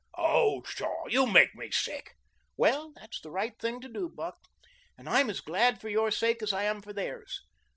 "Oh, pshaw, you make me sick." "Well, that's the right thing to do, Buck, and I'm as glad for your sake as I am for theirs.